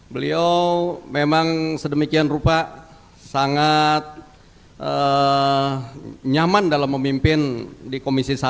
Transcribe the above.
beliau memang sedemikian rupa sangat nyaman dalam memimpin di komisi satu